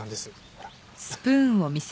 ほら。